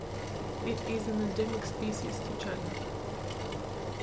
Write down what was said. It is an endemic species to China.